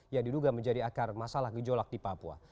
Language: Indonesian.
yang diduga menjadi akar masalah gejolak di papua